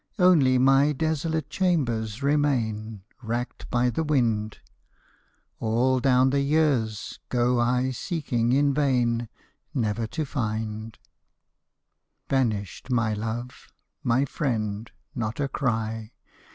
Only my desolate chambers remain, Racked by the wind ; All down the years go I seeking in vain — Never to find. MY LADY'S SLIPPER Vanished my love — my friend — not a cry